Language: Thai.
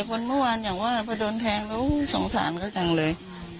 เด็กวันนัวอ่านอย่างว่าไปโดนแทงลูกสงสารค่อยจังเลย